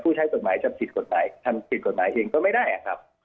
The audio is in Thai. ผู้ใช้กฎหมายจะผิดกฎหมายเองก็ไม่ได้อ่ะครับ